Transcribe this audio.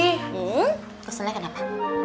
hmm keselnya kenapa